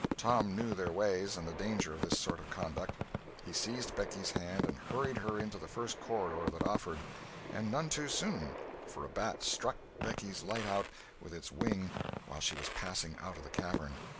Tom knew their ways and the danger of this sort of conduct. He seized Becky's hand and hurried her into the first corridor that offered; and none too soon, for a bat struck Becky's light out with its wing while she was passing out of the cavern.